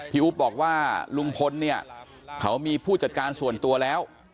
อุ๊บบอกว่าลุงพลเนี่ยเขามีผู้จัดการส่วนตัวแล้ว